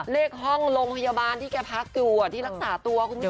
เลขห้องโรงพยาบาลที่แกพักอยู่ที่รักษาตัวคุณผู้ชม